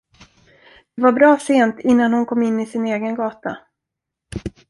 Det var bra sent, innan hon kom in i sin egen gata.